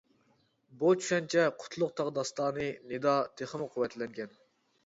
بۇ چۈشەنچە «قۇتلۇق تاغ داستانى» نىدا تېخىمۇ قۇۋۋەتلەنگەن.